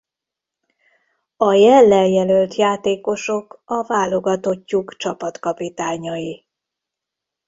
A jellel jelölt játékosok a válogatottjuk csapatkapitányai.